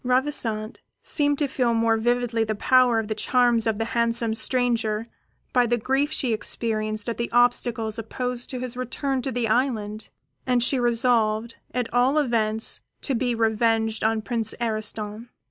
Ravissante seemed to feel more vividly the power of the charms of the handsome stranger by the grief which she experienced at the obstacles opposed to his return to the island; and she resolved, at all events, to be revenged on Prince Ariston.